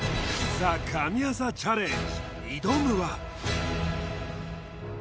ＴＨＥ神業チャレンジ